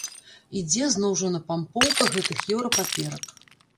Ідзе зноў жа напампоўка гэтых еўра-паперак.